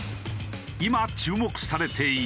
今注目されている。